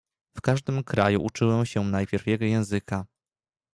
"W każdym kraju uczyłem się najpierw jego języka."